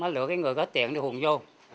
lựa người có tiền để hùn vô